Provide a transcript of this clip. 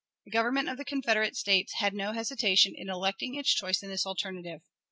The Government of the Confederate States had no hesitation in electing its choice in this alternative.